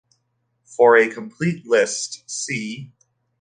"For a complete list see "